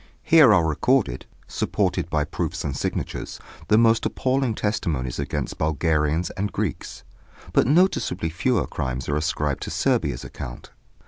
Here are recorded, supported by proofs and signatures, the most appalling testimonies against Bulgarians and Greeks; but noticeably fewer crimes are ascribed to Serbia's account.